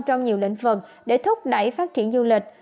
trong nhiều lĩnh vực để thúc đẩy phát triển du lịch